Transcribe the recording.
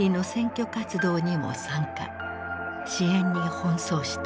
支援に奔走した。